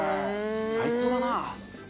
最高だな！